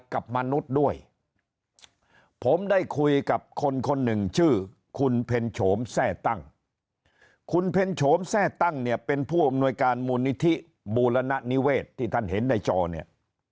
กับมนุษย์ด้วยผมได้คุยกับคนคนหนึ่งชื่อคุณเพ็ญโฉมแทร่ตั้งคุณเพ็ญโฉมแทร่ตั้งเนี่ยเป็นผู้อำนวยการมูลนิธิบูรณนิเวศที่ท่านเห็นในจอเนี่ย